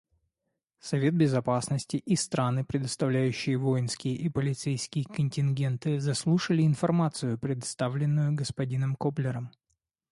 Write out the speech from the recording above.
Совет Безопасности и страны, предоставляющие воинские и полицейские контингенты, заслушали информацию, представленную господином Коблером.